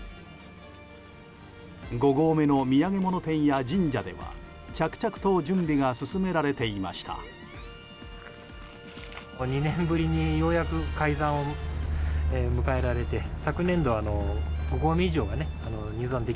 ５合目の土産物店や神社では着々と準備が進められていました。